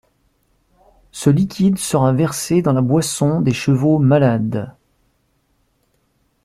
Ce liquide sera versé dans la boisson des chevaux malades.